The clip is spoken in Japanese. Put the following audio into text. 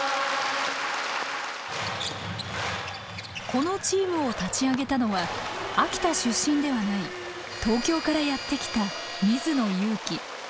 このチームを立ち上げたのは秋田出身ではない東京からやって来た水野勇気。